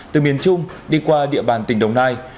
từ miền trung đi qua địa bàn tỉnh đồng nai